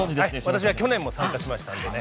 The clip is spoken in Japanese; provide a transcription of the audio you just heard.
私は去年も参加しましたんでね。